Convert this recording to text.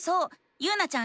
ゆうなちゃん